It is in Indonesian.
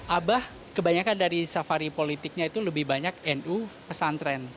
abah kebanyakan dari safari politiknya itu lebih banyak nu pesantren